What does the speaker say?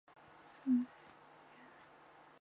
太临公路是回龙通向县城的第二通道。